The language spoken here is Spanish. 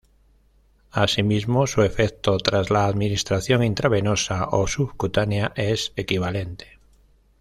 Asimismo, su efecto tras la administración intravenosa o subcutánea es equivalente.